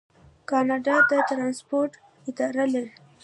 کاناډا د ټرانسپورټ اداره لري.